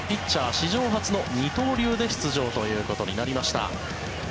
史上初の二刀流で出場ということになりました。